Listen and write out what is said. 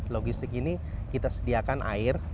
logistik ini kita sediakan air